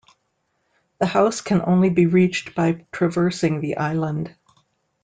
The house can only be reached by traversing the island.